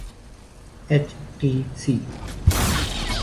H T C